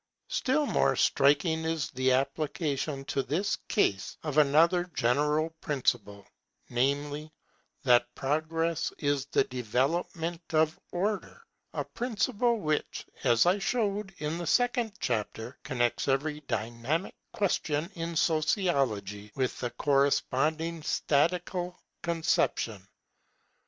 Still more striking is the application to this case of another general principle, namely, that Progress is the development of Order; a principle which, as I showed in the second chapter, connects every dynamical question in Sociology with the corresponding statical conception.